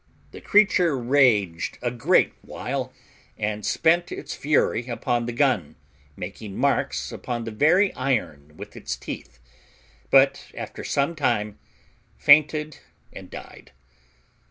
The creature raged a great while, and spent its fury upon the gun, making marks upon the very iron with its teeth, but after some time fainted and died.